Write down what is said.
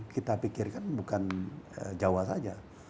kita pikirkan bukan jawa saja